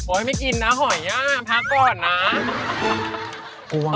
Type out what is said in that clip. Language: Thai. ไม่กินนะหอยอ่ะพักก่อนนะ